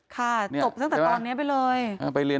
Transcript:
จบตั้งแต่ตอนนี้ไปเลย